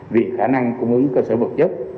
vì khả năng của những cơ sở vật chất